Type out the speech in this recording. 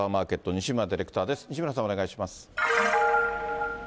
西村さん、お願いします。